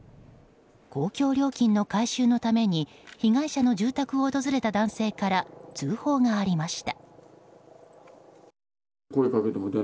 公共料金の回収のために被害者の住宅を訪れた男性から通報がありました。